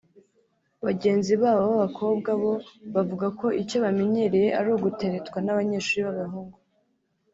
bagenzi babo b’abakobwa bo bavuga ko icyo bamenyereye ari uguteretwa n’abanyeshuri b’abahungu